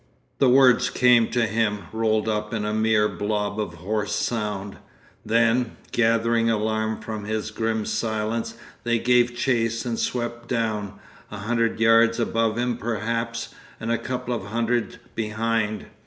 The words came to him, rolled up into a mere blob of hoarse sound. Then, gathering alarm from his grim silence, they gave chase and swept down, a hundred yards above him perhaps, and a couple of hundred behind.